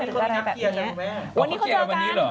โอ๊ยวันนี้เขาพบวันนี้เหรอ